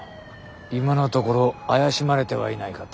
今のところ怪しまれてはいないかと。